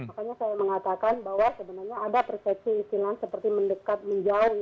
makanya saya mengatakan bahwa sebenarnya ada persepsi istilah seperti mendekat menjauh